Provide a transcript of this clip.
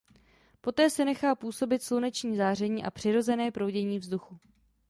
Poté se nechá působit sluneční záření a přirozené proudění vzduchu.